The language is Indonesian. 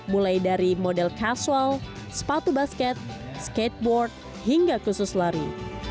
mulai dari model casual sepatu basket skateboard hingga khusus lari